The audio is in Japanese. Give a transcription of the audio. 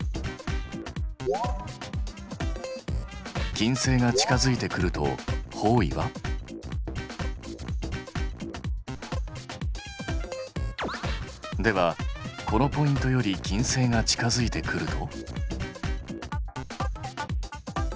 金星が近づいてくると方位は？ではこのポイントより金星が近づいてくると。